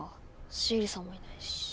シエリさんもいないし。